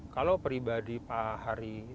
kalau pribadi pak hari